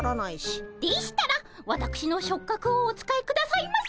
でしたらわたくしの触角をお使いくださいませ。